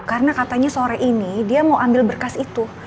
karena katanya sore ini dia mau ambil berkas itu